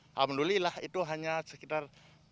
alhamdulillah itu hanya sekitar